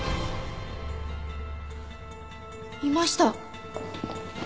いました！